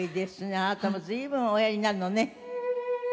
あなたも随分おやりになるのね。